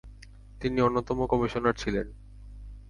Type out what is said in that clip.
তিনি অন্যতম কমিশনার ছিলেন।